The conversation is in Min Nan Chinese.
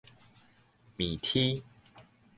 麵麶